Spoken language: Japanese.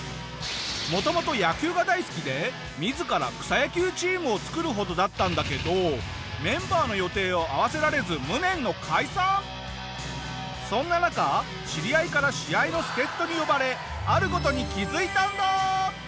元々野球が大好きで自ら草野球チームを作るほどだったんだけどメンバーの予定を合わせられずそんな中知り合いから試合の助っ人に呼ばれある事に気づいたんだ！